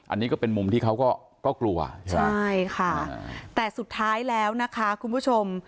อันนี้ก็เป็นมุมที่เขาก็กลัวใช่ไหมใช่ค่ะแต่สุดท้ายแล้วนะคะคุณผู้ชม